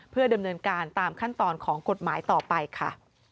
เพื่อดำเนินการตามขั้นตอนของกฎหมายต่อไปค่ะ